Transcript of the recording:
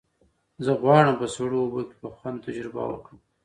زه غواړم په سړو اوبو کې په خوند تجربه وکړم.